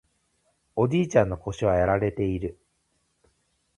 おじいちゃんの腰はやられている